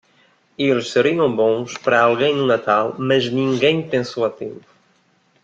Eles seriam bons para alguém no Natal, mas ninguém pensou a tempo.